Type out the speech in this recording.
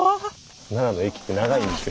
奈良の駅って長いんですよ